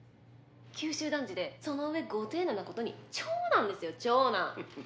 「九州男児でその上ご丁寧な事に長男ですよ長男！」